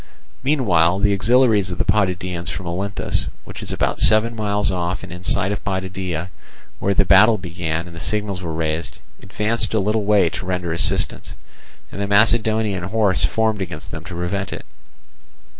Meanwhile the auxiliaries of the Potidæans from Olynthus, which is about seven miles off and in sight of Potidæa, when the battle began and the signals were raised, advanced a little way to render assistance; and the Macedonian horse formed against them to prevent it.